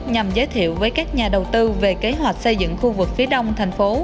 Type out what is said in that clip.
nhằm giới thiệu với các nhà đầu tư về kế hoạch xây dựng khu vực phía đông thành phố